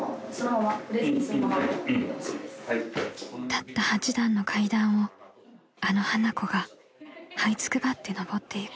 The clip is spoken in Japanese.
［たった８段の階段をあの花子がはいつくばって上ってゆく］